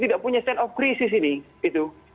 tidak punya stand of crisis ini itu